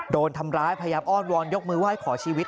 โดนทำร้ายพยายามอ้อนวอนยกมือไหว้ขอชีวิต